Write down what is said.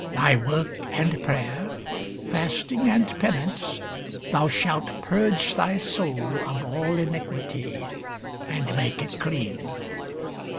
By work and prayer, Fasting and penance, thou shalt purge thy soul Of all iniquity, and make it clean."